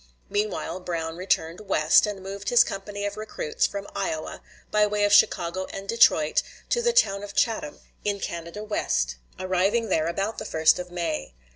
Meanwhile Brown returned West, and moved his company of recruits from Iowa, by way of Chicago and Detroit, to the town of Chatham, in Canada West, arriving there about the 1st of May.